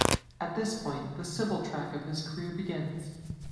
At this point the civil track of his career begins.